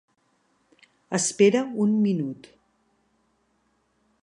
Espera un minut.